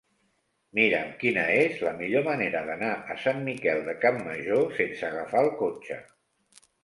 Mira'm quina és la millor manera d'anar a Sant Miquel de Campmajor sense agafar el cotxe.